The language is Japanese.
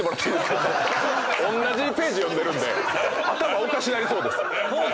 おんなじページ読んでるんで頭おかしなりそうです。